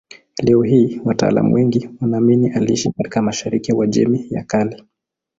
Leo hii wataalamu wengi wanaamini aliishi katika mashariki ya Uajemi ya Kale.